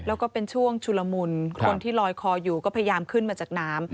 แล้วก็เป็นช่วงชุลมุนคนที่ลอยคออยู่ก็พยายามขึ้นมาจากน้ำ